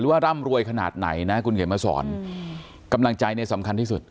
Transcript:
ว่าร่ำรวยขนาดไหนนะคุณเขียนมาสอนกำลังใจเนี่ยสำคัญที่สุด